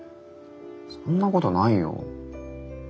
そんなことないよ。